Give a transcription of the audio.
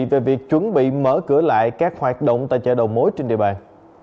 về việc chuẩn bị mở cửa lại các hoạt động tại chợ đầu mối trên địa bàn